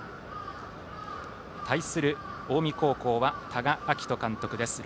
対する近江高校は多賀章仁監督です。